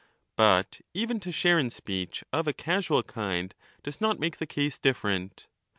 But even to share in speech of a casual kind 15 does not make the case different.